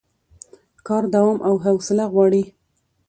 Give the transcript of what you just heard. کار دوام او حوصله غواړي